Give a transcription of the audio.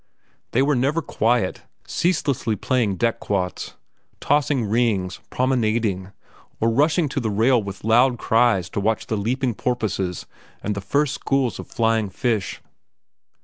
They were never quiet, ceaselessly playing deck quoits, tossing rings, promenading, or rushing to the rail with loud cries to watch the leaping porpoises and the first schools of flying fish.